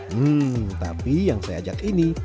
hmm tapi yang saya ajak ini